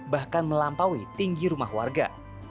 bahkan melampaui tinggi rumah warga